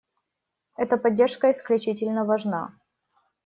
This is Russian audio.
Эта поддержка исключительно важна.